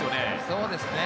そうですね。